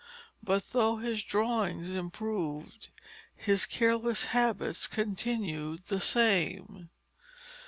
But though his drawings improved, his careless habits continued the same.